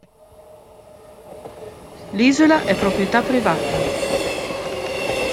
L'isola è proprietà privata.